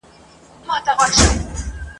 په پردي لاس مار هم مه وژنه !.